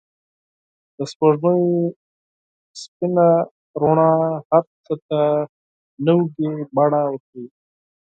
د سپوږمۍ سپین رڼا هر څه ته نوی بڼه ورکوي.